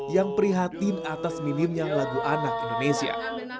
yang prihatin atas minim yang lagu anak indonesia